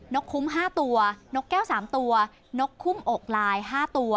กคุ้ม๕ตัวนกแก้ว๓ตัวนกคุ้มอกลาย๕ตัว